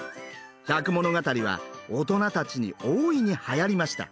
「百物語」は大人たちに大いにはやりました。